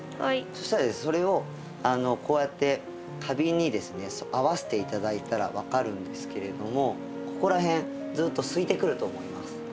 そしたらそれをこうやって花瓶にですね合わせて頂いたら分かるんですけれどもここら辺ずっとすいてくると思います。